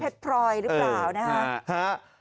ว่าจะมีเพชรพลอยหรือเปล่านะฮะ